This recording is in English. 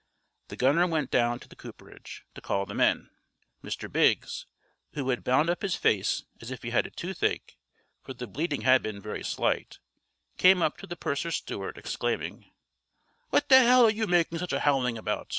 The gunner went down to the cooperage to call the men. Mr. Biggs, who had bound up his face as if he had a toothache, for the bleeding had been very slight, came up to the purser's steward, exclaiming: "What the hell are you making such a howling about?